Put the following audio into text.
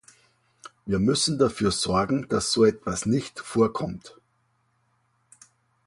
Wir müssen dafür sorgen, dass so etwas nicht vorkommt.